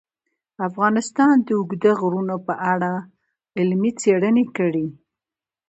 افغانستان د اوږده غرونه په اړه علمي څېړنې لري.